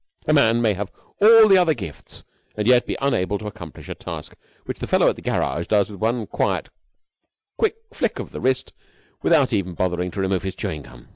A man may have all the other gifts and yet be unable to accomplish a task the fellow at the garage does with one quiet quick flick of the wrist without even bothering to remove his chewing gum.